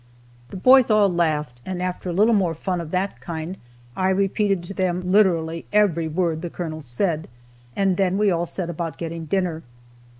The boys all laughed, and after a little more fun of that kind, I repeated to them literally every word the Colonel said, and then we all set about getting dinner.